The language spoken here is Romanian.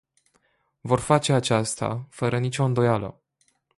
Vor face aceasta, fără nicio îndoială.